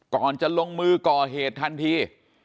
ก่อนจะลงมือก่อเหตุทันที